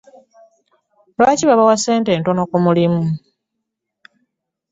Lwaki babawa ssente ntono ku mulimu?